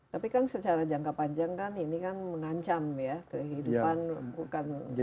tapi kan secara jangka panjang kan ini kan mengancam ya kehidupan bukan